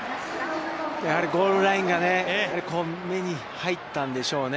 ◆やはり、ゴールラインが目に入ったんでしょうね。